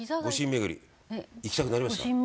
めぐり行きたくなりました？